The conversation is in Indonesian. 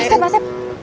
pak sep pak sep